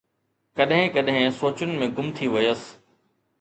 ڪڏهن ڪڏهن سوچن ۾ گم ٿي ويس